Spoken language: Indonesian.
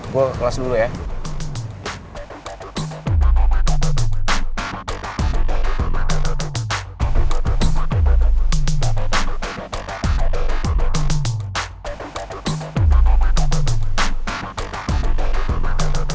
gue kelas dulu ya